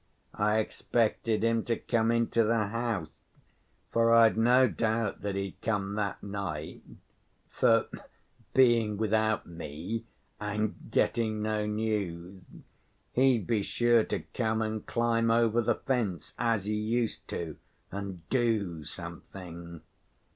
I expected him to come into the house, for I'd no doubt that he'd come that night, for being without me and getting no news, he'd be sure to come and climb over the fence, as he used to, and do something."